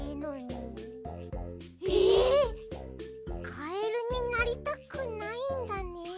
カエルになりたくないんだね。